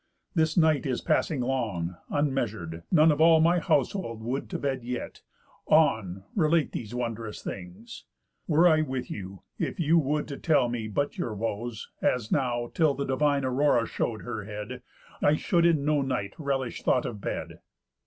This night is passing long, unmeasur'd, none Of all my household would to bed yet; on, Relate these wondrous things. Were I with you, If you would tell me but your woes, as now, Till the divine Aurora show'd her head, I should in no night relish thought of bed."